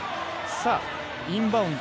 インバウンド